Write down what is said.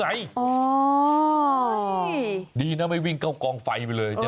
ไม่ใช่แม่งเมาว์วิ่งกล้องไฟ